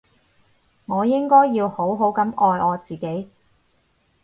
我應該要好好噉愛我自己